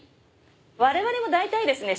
我々も大体ですね